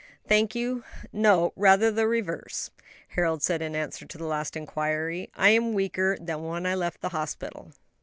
"Thank you, no; rather the reverse," Harold said, in answer to the last inquiry. "I am weaker than when I left the hospital."